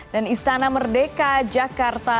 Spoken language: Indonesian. dan istana merdeka jakarta